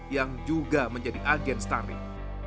yang juga menjadi agen starling